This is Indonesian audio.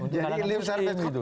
jadi ilim serta gitu